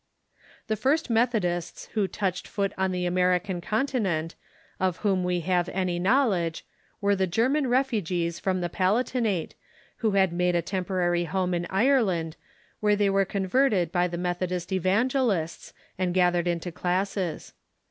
The first Methodists who touched foot on the American con tinent, of whom we have any knowledge, were the German refuo ees from the Palatinate, Avho had made a tem Beginnings porary home in Ireland, where they were converted by the Methodist evangelists, and gathered into classes.